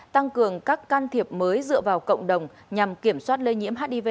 tăng cường các can thiệp mới dựa vào cộng đồng nhằm kiểm soát lây nhiễm hiv